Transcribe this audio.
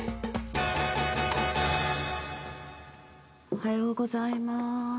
おはようございまーす。